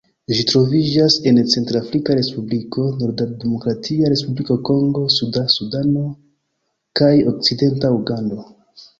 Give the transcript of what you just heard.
Ĝi troviĝas en Centrafrika Respubliko, norda Demokratia Respubliko Kongo, suda Sudano kaj okcidenta Ugando.